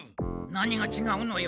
何がちがうのよ。